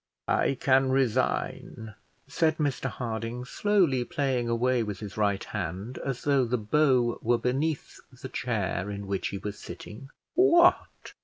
"I can resign," said Mr Harding, slowly playing away with his right hand, as though the bow were beneath the chair in which he was sitting. "What!